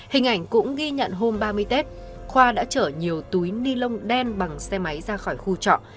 hình ảnh cũng ghi nhận hôm ba mươi tết khoa đã chở nhiều túi ni lông đen bằng xe máy ra khỏi khu trọ